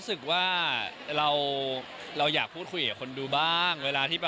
เอกอาร์จูบด้วยน่ะแล้วนี้